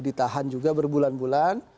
ditahan juga berbulan bulan